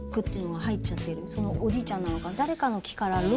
おじいちゃんなのか。